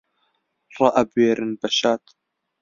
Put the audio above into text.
ڕائەبوێرن بە شادی